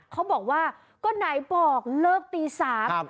เขาบอกว่าก็ไหนบอกเลิกตีสาม